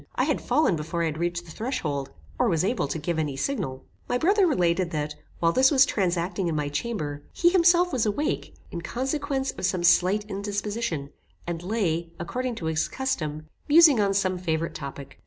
I had fallen before I had reached the threshold, or was able to give any signal. My brother related, that while this was transacting in my chamber, he himself was awake, in consequence of some slight indisposition, and lay, according to his custom, musing on some favorite topic.